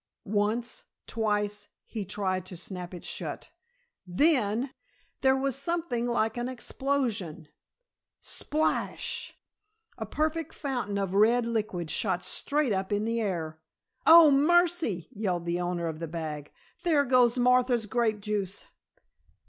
Once, twice, he tried to snap it shut. Then there was something like an explosion! Splash! A perfect fountain of red liquid shot straight up in the air! "Oh, mercy!" yelled the owner of the bag. "There goes Martha's grape juice!"